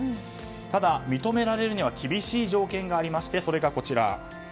ただ、認められるには厳しい条件がありましてそれがこちら。